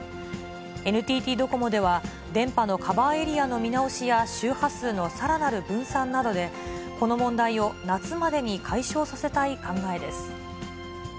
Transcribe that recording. ＮＴＴドコモでは、電波のカバーエリアの見直しや周波数のさらなる分散などで、この問題を夏までに解消させたい考えです。